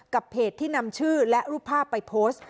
เพจที่นำชื่อและรูปภาพไปโพสต์